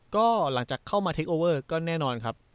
ก็หลังจากเข้ามาเทคโอเวอร์ก็แน่นอนครับ